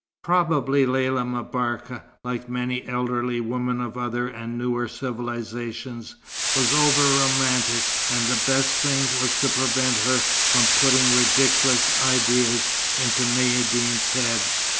Probably Lella M'Barka, like many elderly women of other and newer civilizations, was over romantic; and the best thing was to prevent her from putting ridiculous ideas into Maïeddine's head.